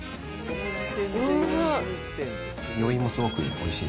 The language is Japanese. おいしい。